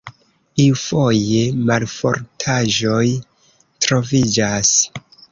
Iufoje malfortaĵoj troviĝas.